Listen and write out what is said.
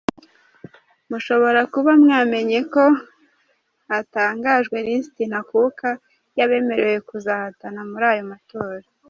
Mushobora kuba mwamenye ko hatangajwe lisiti ntakuka y’abemerewe kuzahatana muri ayo matora.